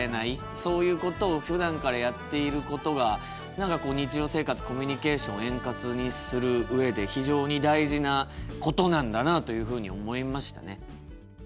そういうことをふだんからやっていることが何かこう日常生活コミュニケーションを円滑にする上で非常に大事なことなんだなあというふうに思いましたね。